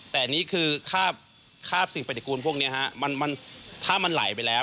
แต่นี้คือคราบสิ่งปฏิกุลถ้ามันไหลไปแล้ว